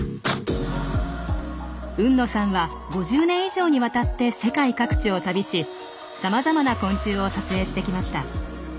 海野さんは５０年以上にわたって世界各地を旅しさまざまな昆虫を撮影してきました。